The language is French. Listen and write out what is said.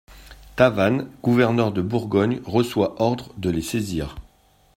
Tavannes, gouverneur de Bourgogne, reçoit ordre de les saisir.